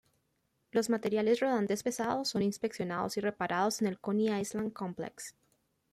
Los materiales rodantes pesados son inspeccionados y reparados en el Coney Island Complex.